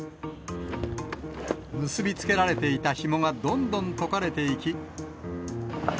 結び付けられていたひもがどんどん解かれていき。